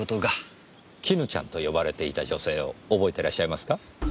絹ちゃんと呼ばれていた女性を覚えてらっしゃいますか？